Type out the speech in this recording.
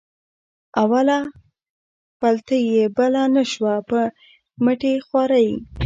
اوله پلته یې بله نه شوه په مټې خوارۍ.